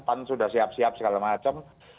pan sudah siap siap segala macam